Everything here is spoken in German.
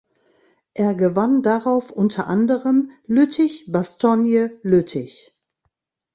Er gewann darauf unter anderem Lüttich–Bastogne–Lüttich.